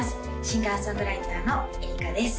シンガー・ソングライターのｅｒｉｃａです